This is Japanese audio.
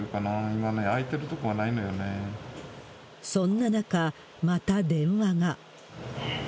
今ね、そんな中、また電話が。